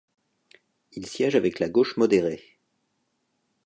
Il siège avec la Gauche modérée.